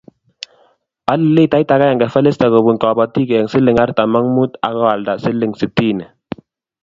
Ole litait akenge Felista kobunuu kabotiik eng siling artam ak muut akoaldae siling sitini.